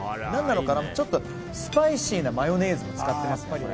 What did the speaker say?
ちょっとスパイシーなマヨネーズを使ってますね。